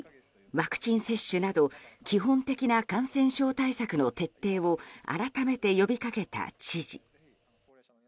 ワクチン接種など基本的な感染症対策の徹底を改めて呼びかけた知事。